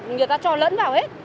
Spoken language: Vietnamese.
người ta cho lẫn vào hết